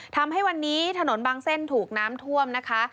ทำให้วันนี้ถนนบางเส้นถูกน้ำท่วมนะคะ